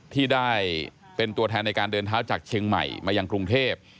ที่ได้เป็นตัวแทนในการเดินเท้าจากเชียงใหม่มายังกรุงเทพ